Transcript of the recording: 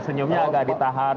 senyumnya agak ditahan